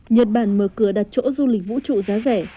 nhật bản mở cửa đặt chỗ du lịch vũ trụ giá rẻ